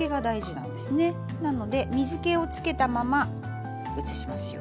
なので水けをつけたまま移しますよ。